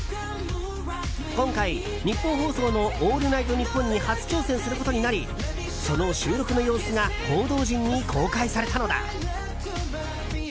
今回、ニッポン放送の「オールナイトニッポン」に初挑戦することになりその収録の様子が報道陣に公開されたのだ。